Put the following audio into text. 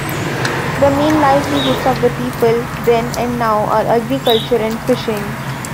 The main livelihoods of the people, then and now, are agriculture and fishing.